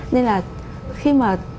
nên là khi mà